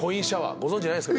ご存じないですか？